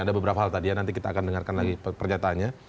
ada beberapa hal tadi ya nanti kita akan dengarkan lagi pernyataannya